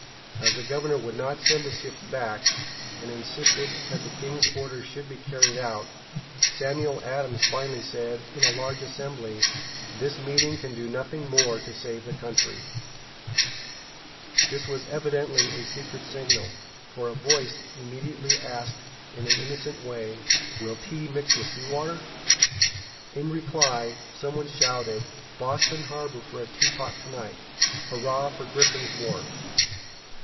As the governor would not send the ships back, and insisted that the king's orders should be carried out, Samuel Adams finally said, in a large assembly: "This meeting can do nothing more to save the country." This was evidently a secret signal, for a voice immediately asked in an innocent way: "Will tea mix with sea water?" In reply some one shouted: "Boston harbor for a teapot to night! Hurrah for Griffin's wharf!"